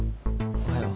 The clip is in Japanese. おはよう。